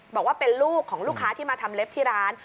บอกว่าเป็นลูกของลูกค้าที่มาทำเล็บที่ร้าน